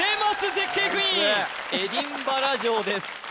絶景クイーンエディンバラ城です